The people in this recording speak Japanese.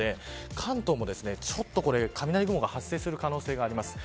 関東も雷雲が発生する可能性があります。